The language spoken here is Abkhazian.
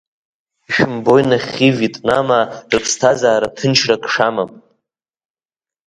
Ишәымбои, нахьхьи, Виетнамаа, рыԥсҭазаара ҭынчрак шамам.